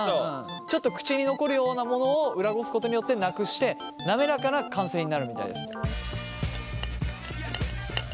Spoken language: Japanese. ちょっと口に残るようなものを裏ごすことによってなくして滑らかな完成になるみたいです。